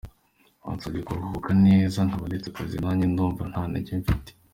Bansabye kuruhuka neza nkaba ndetse akazi, nanjye ndumva nta ntege mfite.